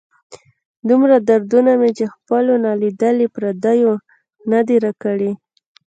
دومره دردونه مې چې خپلو نه لیدلي، پردیو نه دي را کړي.